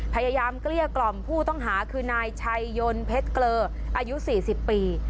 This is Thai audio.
เกลี้ยกล่อมผู้ต้องหาคือนายชัยยนต์เพชรเกลออายุ๔๐ปี